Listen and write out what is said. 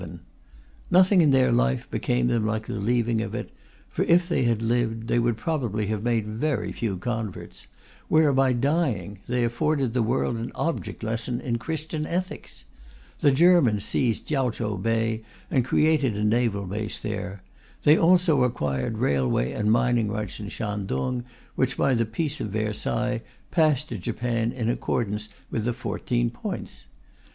Nothing in their life became them like the leaving of it; for if they had lived they would probably have made very few converts, whereas by dying they afforded the world an object lesson in Christian ethics. The Germans seized Kiaochow Bay and created a naval base there; they also acquired railway and mining rights in Shantung, which, by the Treaty of Versailles, passed to Japan in accordance with the Fourteen Points.